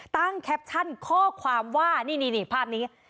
ตั้งแคปชั่นข้อความว่านี่นี่นี่ภาพนี้